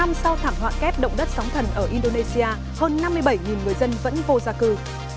một năm sau thảm họa kép động đất sóng thần ở indonesia hơn năm mươi bảy người dân vẫn vô gia cư